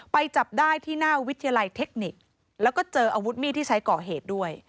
ไปจับได้ที่หน้าวิทยาลัยเทคนิคแล้วก็เจออาวุธมีดที่ใช้ก่อเหตุด้วย